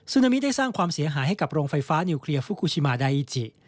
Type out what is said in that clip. นามิได้สร้างความเสียหายให้กับโรงไฟฟ้านิวเคลียร์ฟุคูชิมาดาอิจิ